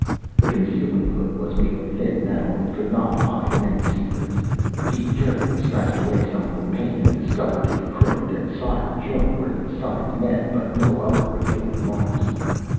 The concealing hood was made of thin metal that could not hide many secrets. He carefully scratched away some of the paint and discovered a crimped and soldered joint where the sides met, but no other revealing marks.